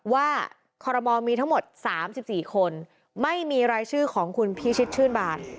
ว่าคอรมมมีทั้งหมดสามสิบสี่คนไม่มีรายชื่อของคุณพี่ชิดชื่นบาน